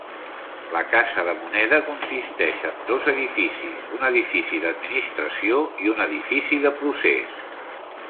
La casa de moneda consisteix en dos edificis, un edifici d'administració i un edifici de procés.